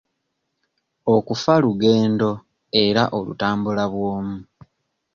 Okufa lugendo era olutambula bw'omu.